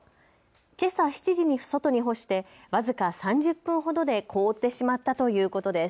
けさ７時に外に干して僅か３０分ほどで凍ってしまったということです。